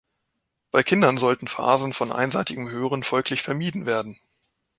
Bei Kindern sollten Phasen von einseitigem Hören folglich vermieden werden.